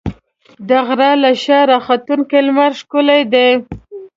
د غره له شا راختونکی لمر ښکلی دی.